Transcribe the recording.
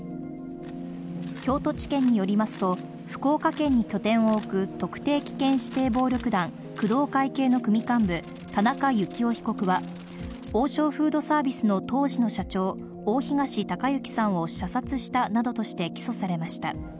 京都地検によりますと、福岡県に拠点を置く特定危険指定暴力団工藤会系の組幹部、田中幸雄被告は、王将フードサービスの当時の社長、大東隆行さんを射殺したなどとして起訴されました。